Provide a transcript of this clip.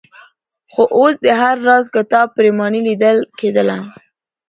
خو اوس د هر راز کتاب پرېماني لیدل کېدله.